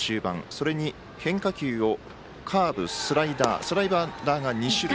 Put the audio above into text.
それに変化球をカーブ、スライダースライダーが２種類。